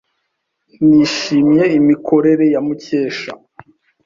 Nishimiye imikorere ya Mukesha.